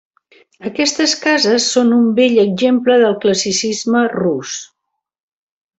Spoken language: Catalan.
Aquestes cases són un bell exemple del classicisme rus.